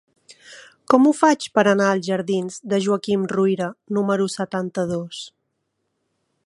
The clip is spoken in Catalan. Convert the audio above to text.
Com ho faig per anar als jardins de Joaquim Ruyra número setanta-dos?